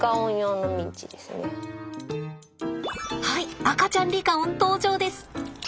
はい赤ちゃんリカオン登場です。